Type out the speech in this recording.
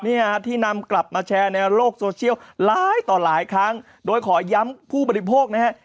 แล้วก็ตามกลับมาแชร์ในโลกโซเชียลไลค์ต่อหลายครั้งโดยขอย้ำผู้ปฏิโภคนะครับ